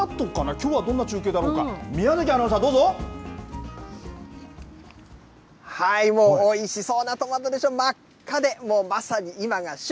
きょうはどんな中継なのか、もうおいしそうなトマトでしょ、真っ赤で、もうまさに今が旬。